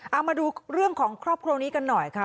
เอามาดูเรื่องของครอบครัวนี้กันหน่อยค่ะ